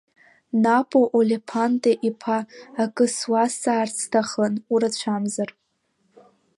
Напо Олеԥанте-иԥа, акы сузҵаарц сҭахын, урацәамзар!